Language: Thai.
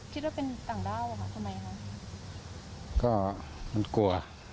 คิดว่าเป็นต่างด้าวทำไมครับ